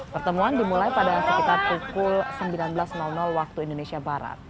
pertemuan dimulai pada sekitar pukul sembilan belas waktu indonesia barat